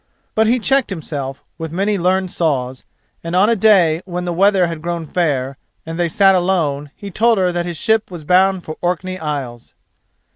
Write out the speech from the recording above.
But he checked himself with many learned saws, and on a day when the weather had grown fair, and they sat alone, he told her that his ship was bound for Orkney Isles.